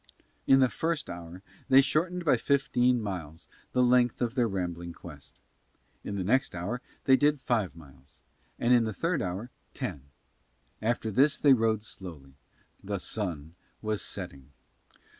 In the first hour they shortened by fifteen miles the length of their rambling quest. In the next hour they did five miles; and in the third hour ten. After this they rode slowly. The sun was setting.